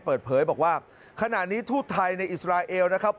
เปิดเผยบอกว่าขณะนี้ทูตไทยในอิสราเอลนะครับ